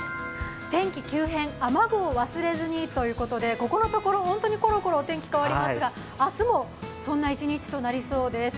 天気急変、雨具を忘れずにということでここのところ本当にコロコロお天気変わりますが明日もそんな一日となりそうです。